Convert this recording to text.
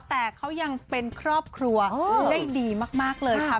แต่เขายังเป็นครอบครัวได้ดีมากเลยค่ะ